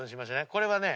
これはね。